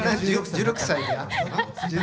１６歳。